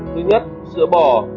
thứ nhất sữa bò